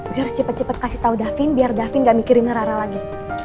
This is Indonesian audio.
gue harus cepet cepet kasih tau davin biar davin gak mikirin ke rara lagi